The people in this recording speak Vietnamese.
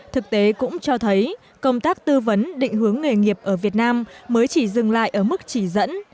thực tế cũng cho thấy công tác tư vấn định hướng nghề nghiệp ở việt nam mới chỉ dừng lại ở mức chỉ dẫn